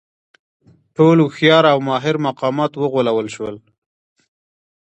ټول هوښیار او ماهر مقامات وغولول شول.